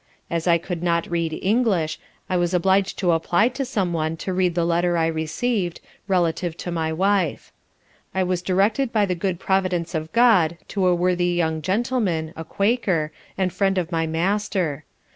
As I could not read English, I was obliged to apply to some one to read the letter I received, relative to my wife. I was directed by the good Providence of God to a worthy young gentleman, a Quaker, and friend of my Master.